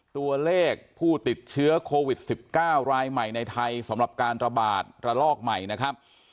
ตัวเลขผู้ติดเชื้อโควิด๑๙รายใหม่ในไทยสำหรับการระบาดระลอกใหม่นะครับ